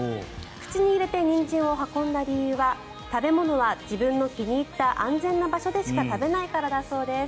口に入れてニンジンを運んだ理由は食べ物は自分の気に入った安全な場所でしか食べないからだそうです。